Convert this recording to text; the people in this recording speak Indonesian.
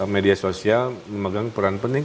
media sosial memegang peran penting